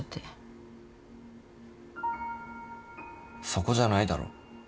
そこじゃないだろ。